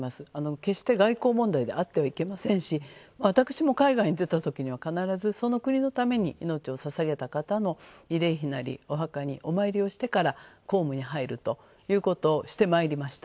決して外交問題であってはいけませんし私も海外に行ってたときには、必ずその国のために命をささげた方の慰霊碑なり、お墓にお参りをしてから公務に入るということをしてまいりました。